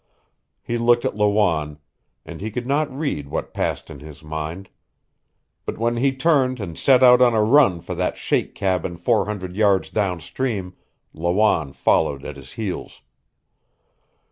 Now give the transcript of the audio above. He looked at Lawanne, and he could not read what passed in his mind. But when he turned and set out on a run for that shake cabin four hundred yards downstream, Lawanne followed at his heels.